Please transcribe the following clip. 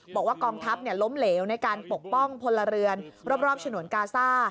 บอกว่ากองทัพล้มเหลวในการปกป้องพลเรือนรอบฉนวนกาซ่า